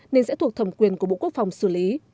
nên sẽ thuộc thẩm quyền của bộ quốc phòng xử lý